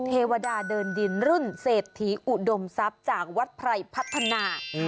เทวดาเดินดินรุ่นเศรษฐีอุดมทรัพย์จากวัดไพรพัฒนา